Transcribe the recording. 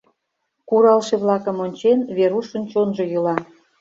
Куралше-влакым ончен, Верушын чонжо йӱла.